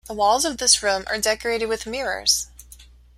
The walls of this room are decorated with mirrors.